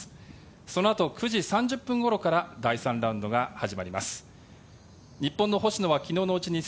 そのあと９時３０分ごろから第３ラウンドが始まります。